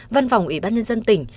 văn phòng ubnd tỉnh